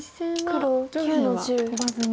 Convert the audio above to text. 黒９の十。